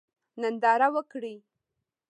ننداره وکړئ.